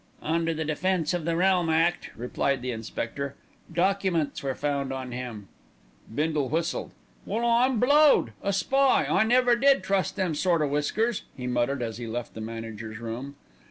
"Under the Defence of the Realm Act," replied the inspector. "Documents were found on him." Bindle whistled. "Well, I'm blowed! A spy! I never did trust them sort o' whiskers," he muttered as he left the manager's room.